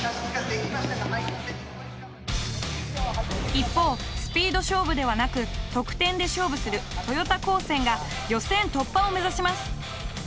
一方スピード勝負ではなく得点で勝負する豊田高専が予選突破を目指します。